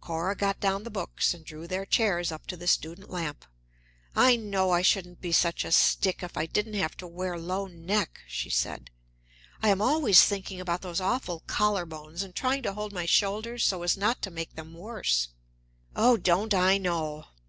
Cora got down the books and drew their chairs up to the student lamp. "I know I shouldn't be such a stick if I didn't have to wear low neck," she said. "I am always thinking about those awful collar bones, and trying to hold my shoulders so as not to make them worse." "Oh, don't I know!"